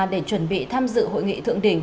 để chuẩn bị tham dự hội nghị thượng đỉnh